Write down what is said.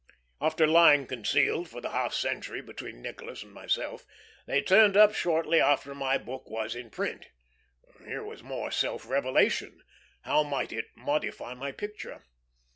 After lying concealed for the half century between Nicolas and myself, they turned up shortly after my book was in print. Here was more self revelation; how might it modify my picture?